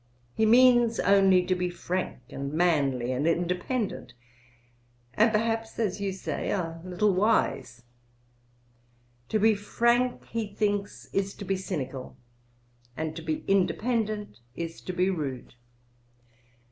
He means only to be frank, and manly, and independent, and perhaps, as you say, a little wise. To be frank he thinks is to be cynical, and to be independent is to be rude.